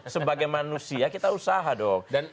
sebagai manusia kita usaha dong